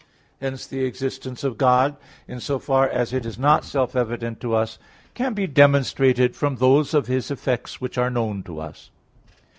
Hence the existence of God, in so far as it is not self evident to us, can be demonstrated from those of His effects which are known to us.